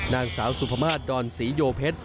นางสาวสุภามาสดอนศรีโยเพชร